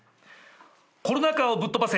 「コロナ禍をぶっとばせ！